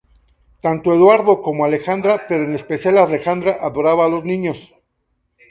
Tanto Eduardo como Alejandra, pero en especial Alejandra adorada a los niños.